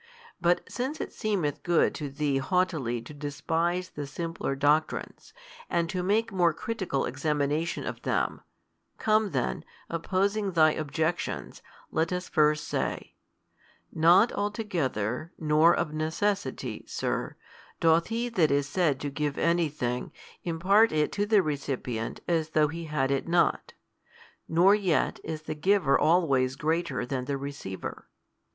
But since it seemeth good to thee haughtily to despise the simpler doctrines, and to make more critical examination of them, come then, opposing thy objections, let us first say, Not altogether, nor of necessity, sir, doth he that is said to give anything, impart it to the recipient as though he had it not, nor yet is the giver always greater than the receiver.